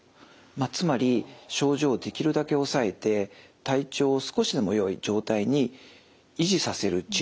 つまり症状をできるだけ抑えて体調を少しでもよい状態に維持させる治療が主な目的でした。